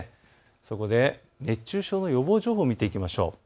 そこで熱中症の予防情報を見ていきましょう。